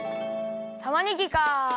たまねぎか。